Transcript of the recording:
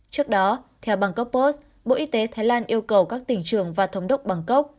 trước đó theo bangkok post bộ y tế thái lan yêu cầu các tỉnh trường và thống đốc bangkok